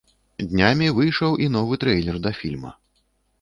Днямі выйшаў і новы трэйлер да фільма.